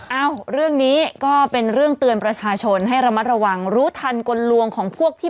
เอ้าเรื่องนี้ก็เป็นเรื่องเตือนประชาชนให้ระมัดระวังรู้ทันกลลวงของพวกที่